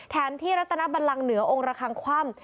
แถมที่รัตนบันลังเหนือองค์ระคังคว่ำ